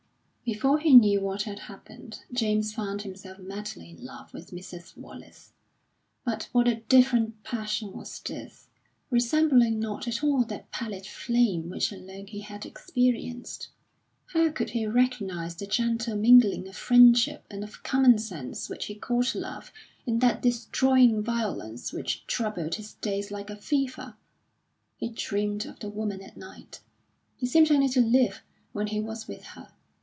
Before he knew what had happened, James found himself madly in love with Mrs. Wallace. But what a different passion was this, resembling not at all that pallid flame which alone he had experienced! How could he recognise the gentle mingling of friendship and of common sense which he called love in that destroying violence which troubled his days like a fever? He dreamed of the woman at night; he seemed only to live when he was with her.